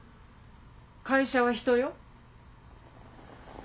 会社は人よ。